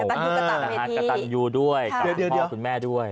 กระตันยูกระตันเพศนี้กระตันยูด้วยกับพ่อคุณแม่ด้วย